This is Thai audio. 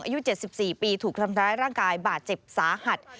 อายุ๗๔ปีถูกทำร้ายร่างกายบาดเจ็บสาหัส